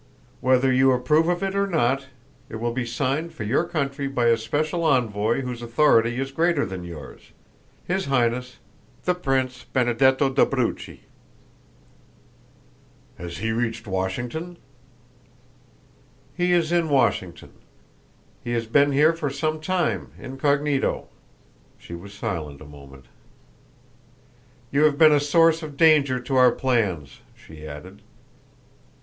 Whether you approve of it or not it will be signed for your country by a special envoy whose authority is greater than yours his Highness, the Prince Benedetto d'Abruzzi." "Has he reached Washington?" "He is in Washington. He has been here for some time, incognito." She was silent a moment. "You have been a source of danger to our plans," she added.